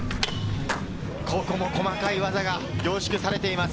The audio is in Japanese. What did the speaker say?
ここも細かい技、凝縮されています。